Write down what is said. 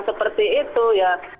seperti itu ya